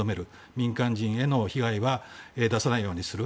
民間人への被害は出さないようにする。